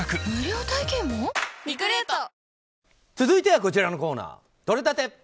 続いてはこちらのコーナーとれたて！